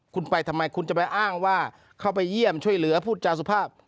คุณไปทำไมคุณจะไปอ้างว่าเข้าไปเยี่ยมช่วยเหลือพูดจาสุภาพ